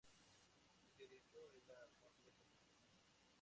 Este grito a la Patria salvó.